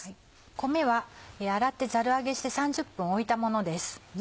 米は洗ってザル上げして３０分置いたものです。